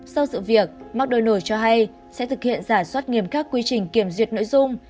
sau sự việc mcdonald cho hay sẽ thực hiện giả soát nghiêm các quy trình kiểm duyệt nội dung